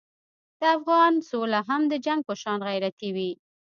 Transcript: د افغان سوله هم د جنګ په شان غیرتي وي.